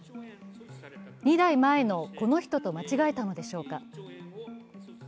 ２代前のこの人と間違えたのでしょうか。